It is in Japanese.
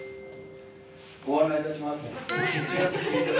ご案内いたします。